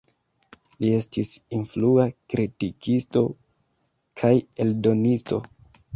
Li estis influa kritikisto kaj eldonisto.